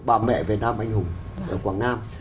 bà mẹ việt nam anh hùng ở quảng nam